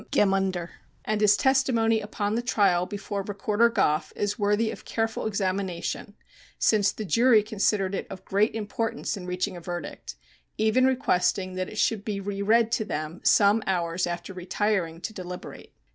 Gemunder, and his testimony upon the trial before Recorder Goff is worthy of careful examination, since the jury considered it of great importance in reaching a verdict, even requesting that it should be re read to them some hours after retiring to deliberate.